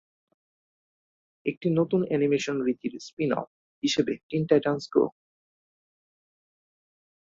একটি নতুন অ্যানিমেশন রীতির স্পিন-অফ হিসেবে "টিন টাইটান্স গো!"